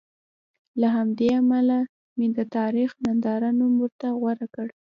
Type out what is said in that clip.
له همدې امله مې د تاریخ ننداره نوم ورته غوره کړ.